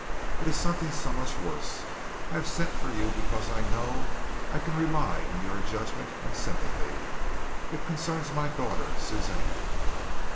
It is something so much worse. I have sent for you because I know I can rely on your judgment and sympathy. It concerns my daughter, Suzanne."